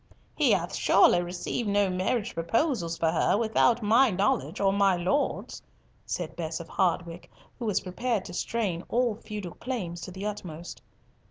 "He hath surely received no marriage proposals for her without my knowledge or my Lord's," said Bess of Hardwicke, who was prepared to strain all feudal claims to the uttermost.